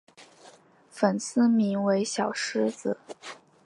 粉丝名为小狮子。